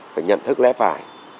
phải nhận thức lẽ phải